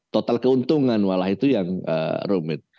total keuntungan malah itu yang rumit